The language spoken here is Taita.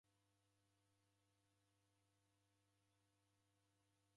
Mrushe iro nguw'o